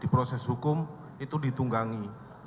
proses hukum itu ditunggangi